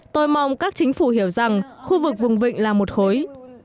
tôi mong các chính phủ hiểu rằng khu vực vùng vịnh là một khối